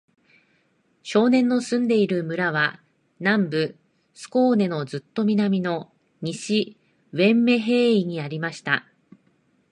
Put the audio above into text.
少年の住んでいる村は、南部スコーネのずっと南の、西ヴェンメンヘーイにありました。